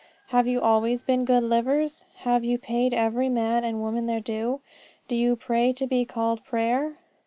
Have you always been good livers? Have you paid every man and woman their due? Do you pray to be called prayer?